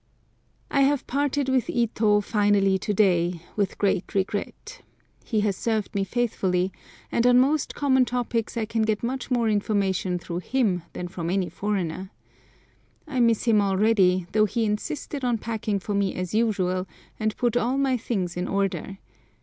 I have parted with Ito finally to day, with great regret. He has served me faithfully, and on most common topics I can get much more information through him than from any foreigner. I miss him already, though he insisted on packing for me as usual, and put all my things in order.